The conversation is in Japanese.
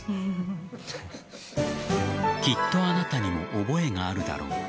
きっとあなたにも覚えがあるだろう。